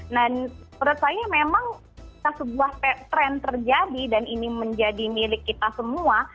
nah menurut saya memang sebuah tren terjadi dan ini menjadi milik kita semua